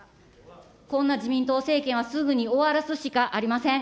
こんな自民党政権はすぐに終わらすしかありません。